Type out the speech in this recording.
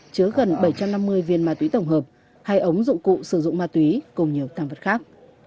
chứa gần bảy trăm năm mươi viên ma túy tổng hợp hai ống dụng cụ sử dụng ma túy cùng nhiều tàng vật khác